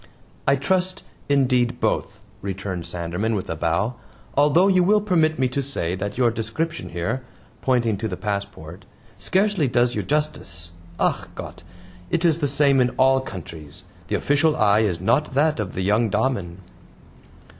"I trust, indeed, both," returned Sanderman, with a bow, "although you will permit me to say that your description here," pointing to the passport, "scarcely does you justice. ACH GOTT! it is the same in all countries; the official eye is not that of the young DAMEN."